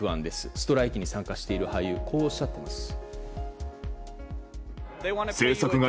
ストライキに参加している俳優こうおっしゃっています。